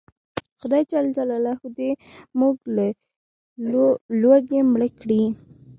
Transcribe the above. خدای ج دې موږ له لوږې مړه کړي